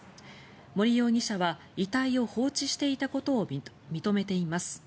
森容疑者は遺体を放置していたことを認めています。